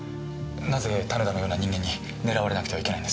なぜ種田のような人間に狙われなくてはいけないんですか？